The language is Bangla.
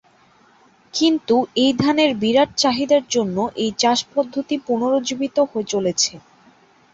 কিন্তু এই ধানের বিরাট চাহিদার জন্য এই চাষ পদ্ধতি পুনরুজ্জীবিত হতে চলেছে।